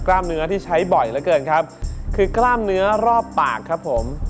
กล้ามเนื้อที่ใช้บ่อยเหลือเกินครับคือกล้ามเนื้อรอบปากครับผม